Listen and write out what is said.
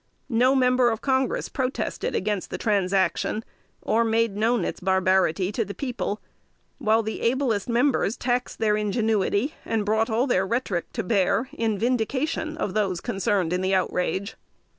No member of Congress protested against the transaction, or made known its barbarity to the people; while the ablest members taxed their ingenuity, and brought all their rhetoric to bear, in vindication of those concerned in the outrage.